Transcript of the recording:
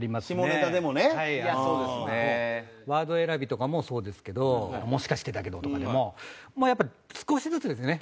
あのまあワード選びとかもそうですけど『もしかしてだけど』とかでももうやっぱり少しずつですね。